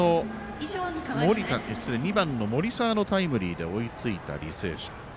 ２番の森澤のタイムリーで追いついた履正社。